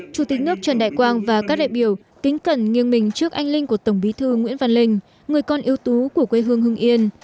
chủ tịch nước trần đại quang và các đại biểu kính cẩn nghiêng mình trước anh linh của tổng bí thư nguyễn văn linh người con yêu tú của quê hương hưng yên